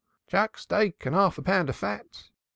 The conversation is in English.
"Chuck steak and half a pound of fat."